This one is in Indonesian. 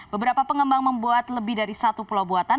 beberapa pengembang membuat lebih dari satu pulau buatan